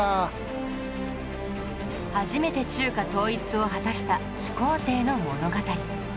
初めて中華統一を果たした始皇帝の物語